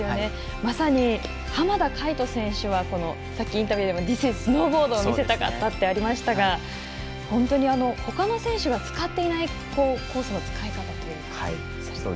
まさに浜田海人選手はインタビューの中でもディスイズスノーボードを見せたかったとありましたが本当にほかの選手が使っていないコースの使い方というか。